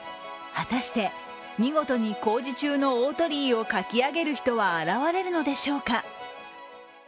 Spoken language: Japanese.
果たして、見事に工事中の大鳥居を描き上げる人は現れるのでしょうか？